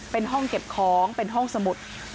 เป็นห้องเก็บของเป็นห้องสมุด